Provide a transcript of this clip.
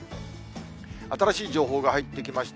新しい情報が入ってきました。